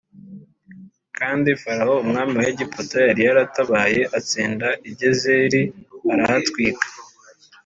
Kandi Farawo umwami wa Egiputa yari yaratabaye atsinda i Gezeri arahatwika